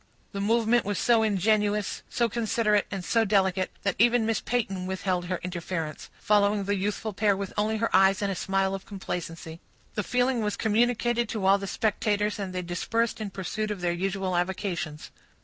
The movement was so ingenuous, so considerate, and so delicate, that even Miss Peyton withheld her interference, following the youthful pair with only her eyes and a smile of complacency. The feeling was communicated to all the spectators, and they dispersed in pursuit of their usual avocations.